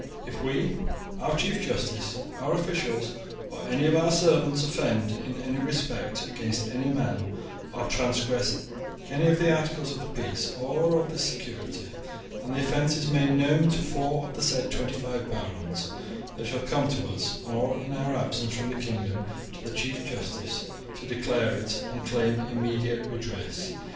* If we, our chief justice, our officials, or any of our servants offend in any respect against any man, or transgress any of the articles of the peace or of this security, and the offence is made known to four of the said twenty five barons, they shall come to us or in our absence from the kingdom to the chief justice to declare it and claim immediate redress.